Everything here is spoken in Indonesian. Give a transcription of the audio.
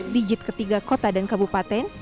digit ketiga kota dan kabupaten